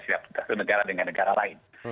dengan negara lain